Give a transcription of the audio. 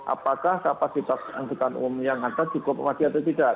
apakah kapasitas angkutan umum yang ada cukup mati atau tidak